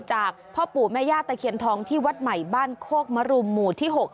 จากพ่อปู่แม่ย่าตะเคียนทองที่วัดใหม่บ้านโคกมรุมหมู่ที่๖